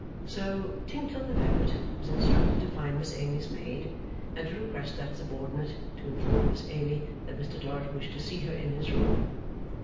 So, Tinkler the valet was instructed to find Miss Amy's maid, and to request that subordinate to inform Miss Amy that Mr Dorrit wished to see her in his own room.